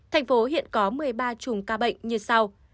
tp hcm hiện có một mươi ba chùm ca bệnh như sau